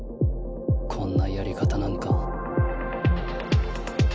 こんなやり方なんか。